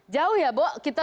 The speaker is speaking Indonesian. jauh ya bo